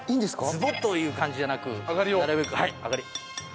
ズボッという感じじゃなくなるべく。